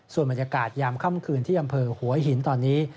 ส่วนบรรยากาศยามค่ำคืนที่อำเภอหัวหินตอนนี้